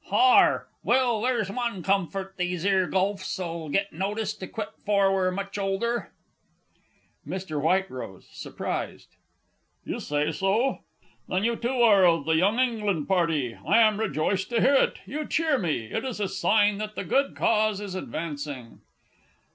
Har, well, there's one comfort, these 'ere Guelphs'll get notice to quit afore we're much older! MR. WHITEROSE (surprised). You say so? Then you too are of the Young England Party! I am rejoiced to hear it. You cheer me; it is a sign that the good Cause is advancing.